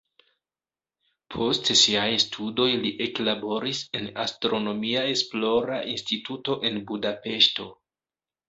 Post siaj studoj li eklaboris en astronomia esplora instituto en Budapeŝto.